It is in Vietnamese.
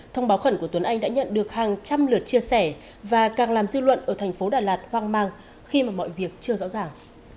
thông báo khẩn của tuấn anh đã nhận được hàng trăm lượt chia sẻ và càng làm dư luận ở thành phố đà lạt hoang mang khi mà mọi việc chưa rõ ràng